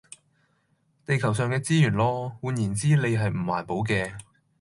地球上嘅資源囉，換言之你係唔環保嘅